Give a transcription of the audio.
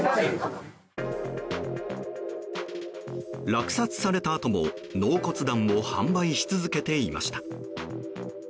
落札されたあとも納骨壇を販売し続けていました。